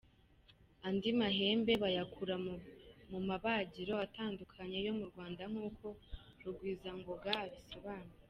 Andi mahembe bayakura mu mabagiro atandukanye yo mu Rwanda nk’uko Rugwizangoga abisobanura.